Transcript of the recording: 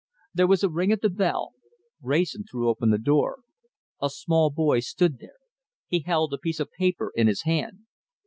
There was a ring at the bell. Wrayson threw open the door. A small boy stood there. He held a piece of paper in his hand.